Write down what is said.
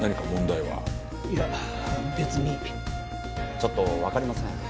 ちょっとわかりません。